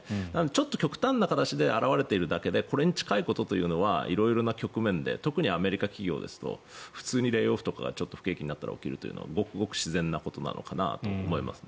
ちょっと極端な形で表れているだけでこれに近いことというのは色々な局面で特にアメリカ企業ですと普通にレイオフとかが不景気になると起こるのがごく自然だ思います。